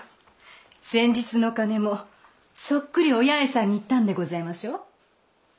先日のお金もそっくりお八重さんに行ったんでございましょう？